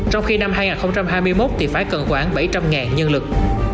trong khi năm hai nghìn hai mươi một thì phải cần khoảng bảy trăm linh nhân lực